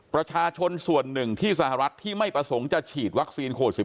ประชาชนส่วนหนึ่งที่สหรัฐที่ไม่ประสงค์จะฉีดวัคซีนโควิด๑๙